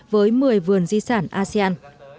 với một mươi vườn di sản asean